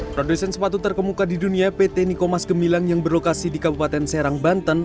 produsen sepatu terkemuka di dunia pt nikomas gemilang yang berlokasi di kabupaten serang banten